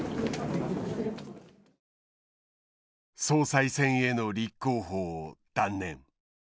総裁選への立候補を断念。